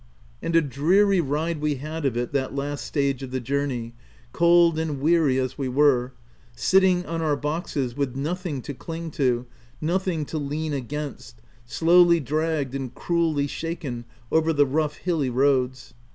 And a dreary ride we had of it that last stage of the journey, cold and weary as we were ; sitting on our boxes, with nothing to cling to, nothing to lean against, slowly dragged and cruelly shaken over the rough, hilly roads.